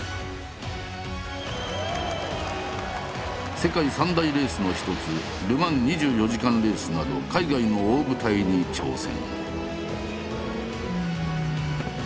世界三大レースの一つル・マン２４時間レースなど海外の大舞台に挑戦。